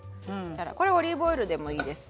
これオリーブオイルでもいいです。